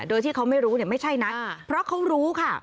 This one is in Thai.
โดยที่เขาไม่รู้ไม่ใช่นะเพราะเขารู้ค่ะ